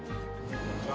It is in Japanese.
こんにちは。